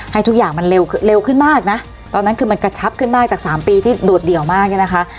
ให้ทุกอย่างมันเร็วขึ้นมากนะตอนนั้นคือมันกระชับขึ้นมากจากสามปีที่โดดเดี่ยวมากเนี่ยนะคะ